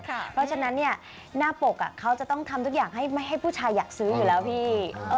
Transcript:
เพราะฉะนั้นหน้าปกเขาจะต้องทำทุกอย่างให้ผู้ชายอยากซื้ออยู่แล้วพี่